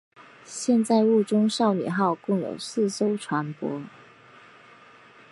现在雾中少女号共有四艘船舶。